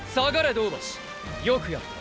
銅橋よくやった！！